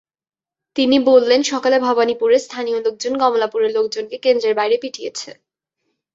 তিনি বললেন, সকালে ভবানীপুরের স্থানীয় লোকজন কমলাপুরের লোকজনকে কেন্দ্রের বাইরে পিটিয়েছে।